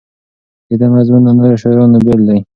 د ده مضمون له نورو شاعرانو بېل دی.